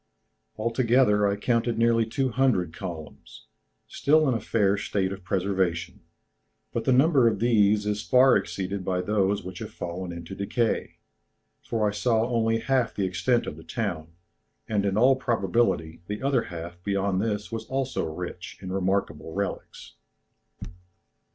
Altogether I counted nearly two hundred columns, still in a fair state of preservation; but the number of these is far exceeded by those which have fallen into decay, for I saw only half the extent of the town, and in all probability the other half beyond this was also rich in remarkable relics."